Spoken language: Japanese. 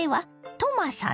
トマさん